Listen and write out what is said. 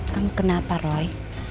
kamu kenapa roy